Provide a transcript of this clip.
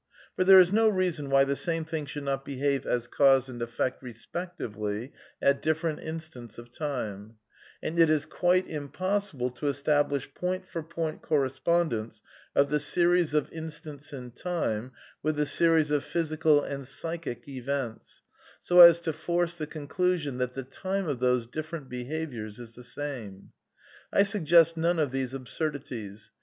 For there is no reason why the same thing should not behave as cause and —— effect respectively at different instants of time; and it is quite impossible to establish point for point correspond ence of die series of instants in time with the series of physical and psychic events, so as to force the conclusion that the time of those different behaviours is the same. I suggest none of these absurdities.